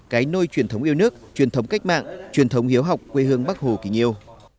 cái nôi truyền thống yêu nước truyền thống cách mạng truyền thống hiếu học quê hương bắc hồ kính yêu